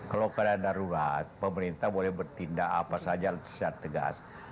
kalau keadaan darurat pemerintah boleh bertindak apa saja secara tegas